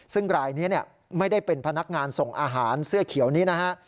ซึ่งรายนี้ไม่ได้เป็นพนักงานส่งอาหารเสื้อเขียวนี้นะฮะ